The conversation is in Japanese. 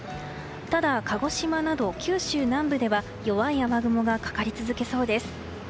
ただ鹿児島など九州南部では弱い雨雲がかかり続けそうです。